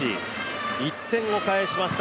１点を返しました